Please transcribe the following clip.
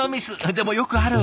でもよくある！